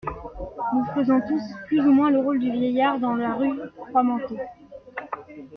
Nous faisons tous plus ou moins le rôle du vieillard dans la rue Froidmanteau.